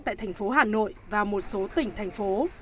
tại thành phố hà nội và một số tỉnh thành phố